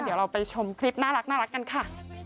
เดี๋ยวเราไปชมคลิปน่ารักกันค่ะ